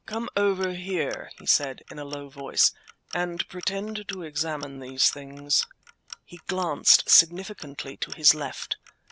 "Come over here," he said, in a low voice, "and pretend to examine these things." He glanced significantly to his left.